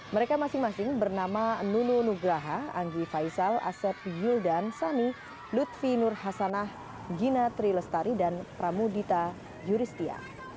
mereka masing masing bernama nunu nugraha anggi faisal asep yuldan sani lutfi nur hasanah gina trilestari dan pramudita yuristia